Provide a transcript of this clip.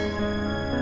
ini udah berakhir